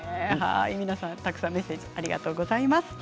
皆さん、たくさんのメッセージありがとうございました。